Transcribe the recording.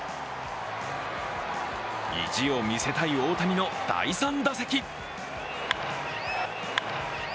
意地を見せたい大谷の第３打席。